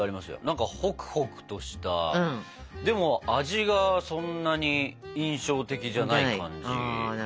何かホクホクとしたでも味がそんなに印象的じゃない感じかな。